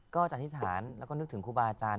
ก็อธิษฐานแล้วก็นึกถึงครูบาอาจารย์